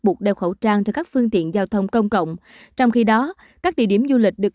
buộc đeo khẩu trang cho các phương tiện giao thông công cộng trong khi đó các địa điểm du lịch được